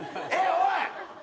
おい！